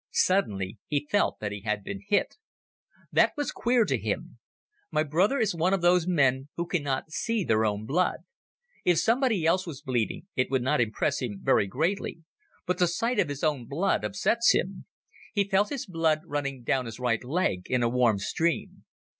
Suddenly, he felt that he had been hit. That was queer to him. My brother is one of those men who cannot see their own blood. If somebody else was bleeding it would not impress him very greatly, but the sight of his own blood upsets him. He felt his blood running down his right leg in a warm stream.